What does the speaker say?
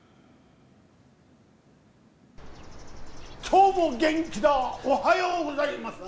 今日も元気だおはようございます！